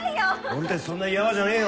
俺たちそんなヤワじゃねえよ。